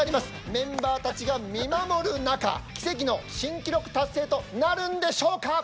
メンバーたちが見守る中奇跡の新記録達成となるんでしょうか？